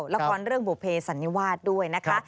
ละครเรื่องบุภเพสันนิวาสด้วยนะคะ